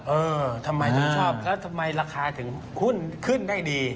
เออทำไมถึงชอบแล้วทำไมราคาถึงหุ้นขึ้นได้ดี